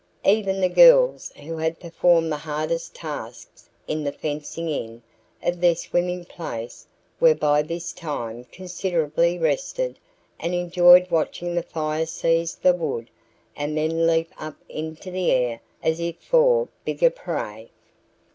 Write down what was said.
Even the girls who had performed the hardest tasks in the "fencing in" of their swimming place were by this time considerably rested and enjoyed watching the fire seize the wood and then leap up into the air as if for bigger prey.